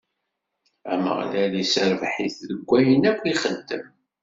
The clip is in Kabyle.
Ameɣlal isserbeḥ-it deg wayen akk ixeddem.